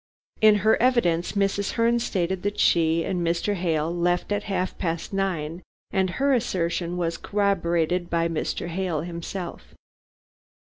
In her evidence Mrs. Herne stated that she and Mr. Hale left at half past nine, and her assertion was corroborated by Mr. Hale himself.